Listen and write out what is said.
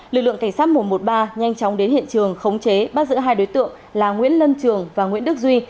lực lượng cảnh sát một trăm một mươi ba nhanh chóng đến hiện trường khống chế bắt giữ hai đối tượng là nguyễn lân trường và nguyễn đức duy